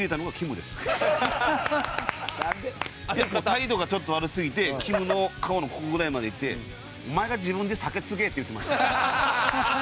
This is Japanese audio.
態度がちょっと悪すぎてきむの顔のここぐらいまで行って「お前が自分で酒つげ！」って言ってました。